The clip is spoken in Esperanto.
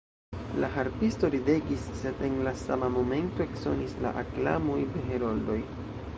La harpisto ridegis, sed en la sama momento eksonis la aklamoj de heroldoj.